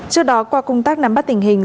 trước đó qua công tác nắm bắt tình hình